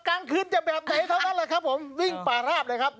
กลางคืนจะแบบไหนเท่านั้นแหละครับผม